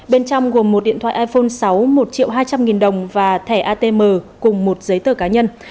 bên trong gồm một điện thoại iphone sáu một triệu hai trăm linh nghìn đồng và thẻ atm cùng một giấy tờ cá nhân